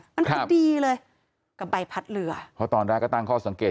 มันพอดีเลยกับใบพัดเรือเพราะตอนแรกก็ตั้งข้อสังเกต